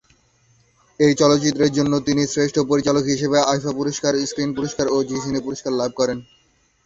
এই চলচ্চিত্রে জন্য তিনি শ্রেষ্ঠ পরিচালক হিসেবে আইফা পুরস্কার, স্ক্রিন পুরস্কার ও জি সিনে পুরস্কার লাভ করেন।